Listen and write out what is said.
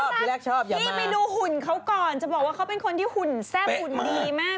พี่ไปดูหุ่นเขาก่อนจะบอกว่าเขาเป็นคนที่หุ่นแซ่บหุ่นดีมาก